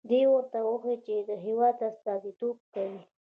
دې ورته وښيي چې د هېواد استازیتوب کوي.